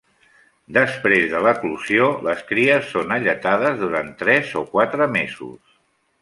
Després de l'eclosió, les cries són alletades durant tres o quatre mesos.